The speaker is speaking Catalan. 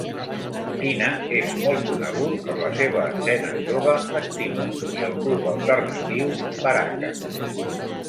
Kutina és molt conegut per la seva escena jove activa i el club alternatiu Baraka.